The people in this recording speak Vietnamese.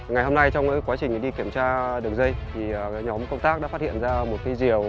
ngày hôm nay trong quá trình đi kiểm tra đường dây thì nhóm công tác đã phát hiện ra một cây diều